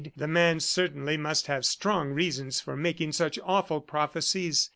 The man certainly must have strong reasons for making such awful prophecies.